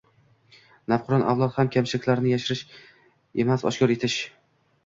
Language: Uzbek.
Navqiron avlod ham kamchiliklarni yashirish emas, oshkor etish